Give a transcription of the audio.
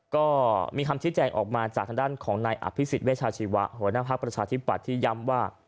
ก็มีคำชี้แจงออกมาจากทางด้านของนายอภิษฎเวชาชีวะหัวหน้าภักดิ์ประชาธิปัตย์ที่ย้ำว่า